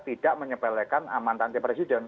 tidak menyepelekan aman tante presiden